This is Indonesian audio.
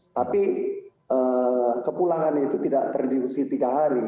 tapi kepulangan itu tidak terdiri di usia tiga hari